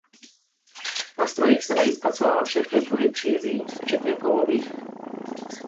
Na strojích se dají zpracovávat všechny druhy přízí včetně kovových.